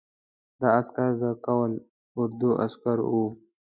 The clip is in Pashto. دا عسکر د قول اردو عسکر وو.